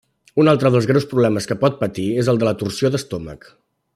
Un altre dels greus problemes que pot patir és el de la torsió d'estómac.